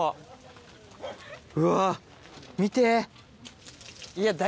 うわ見て。